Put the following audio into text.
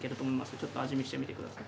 ちょっと味見してみてください。